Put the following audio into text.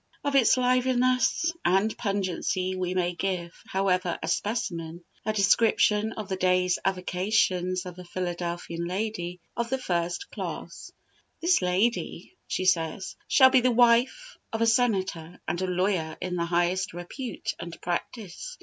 Of its liveliness and pungency we may give, however, a specimen; her description of the day's avocations of a Philadelphian lady of the first class: "This lady," she says, "shall be the wife of a senator and a lawyer in the highest repute and practice.